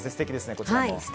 こちらも。